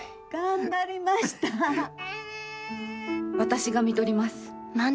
私が看取ります。